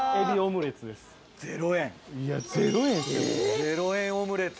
０円０円オムレツ。